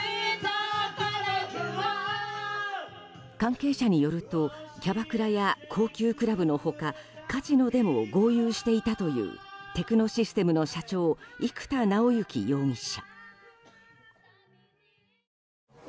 関係者によるとキャバクラや高級クラブの他カジノでも豪遊していたというテクノシステムの社長生田尚之容疑者。